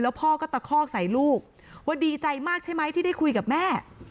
พ่อก็ตะคอกใส่ลูกว่าดีใจมากใช่ไหมที่ได้คุยกับแม่